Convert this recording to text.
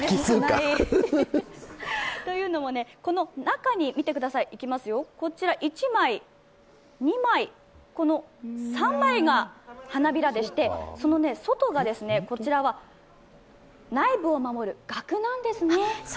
というのも、この中に、見てください、こちら、１枚、２枚、３枚が花びらでしてこの外が内部を守るがくなんですね。